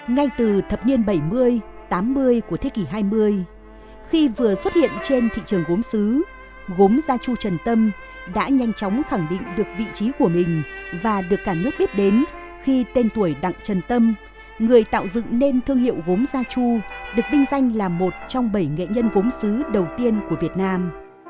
ngay từ thập niên bảy mươi tám mươi của thế kỷ hai mươi khi vừa xuất hiện trên thị trường gốm xứ gốm gia chu trần tâm đã nhanh chóng khẳng định được vị trí của mình và được cả nước biết đến khi tên tuổi đặng trần tâm người tạo dựng nên thương hiệu gốm gia chu được binh danh là một trong bảy nghệ nhân gốm xứ đầu tiên của việt nam